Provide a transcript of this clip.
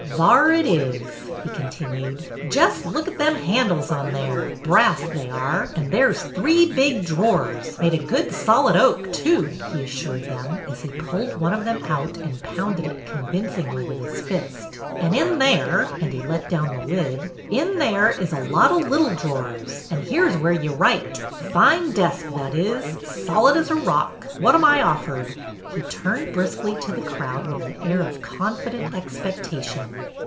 Thar it is,'' he continued. ''Jest look at them handles on there, brass they are ; an' there 's three big drawers, made o' good solid oak, too," he assured them, as he pulled one of them out and pounded it convincingly with his fist. " An' in there," and he let down the lid, " in there is a lot o' little drawers, an' here 's where ye write. Fine desk, that is, solid as a rock. What am I offered? " He turned briskly to the crowd with an air of confident expectation.